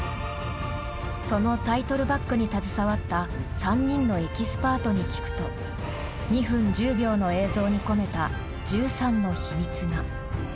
そのタイトルバックに携わった３人のエキスパートに聞くと２分１０秒の映像に込めた１３の秘密が。